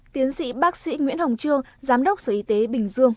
tiến sĩ bác sĩ nguyễn hồng trương giám đốc sở y tế bình dương